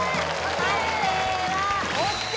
判定は？ＯＫ！